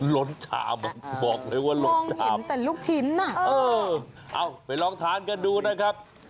ล้องเห็นแต่ลูกชิ้นไปลองทานกันดูนะครับ